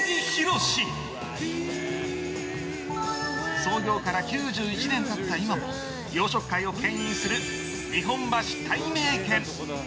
創業から９１年経った今も洋食界を牽引する日本橋たいめいけん。